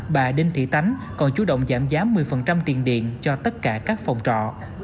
bà đinh thị tánh còn chú động giảm giá một mươi tiền điện cho tất cả các phòng trọ